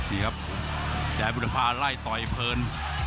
นี่ครับแต่บุรพาไล่ต่อยเพลิน